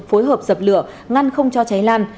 phối hợp dập lửa ngăn không cho cháy lan